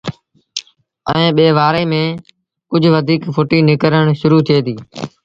ائيٚݩ ٻي وآري ميݩ ڪجھ وڌيٚڪ ڦُٽيٚ نڪرڻ شرو ٿئي ديٚ